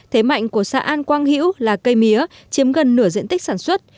thế mạnh của xã an quang hữu là cây mía chiếm gần nửa diện tích sản xuất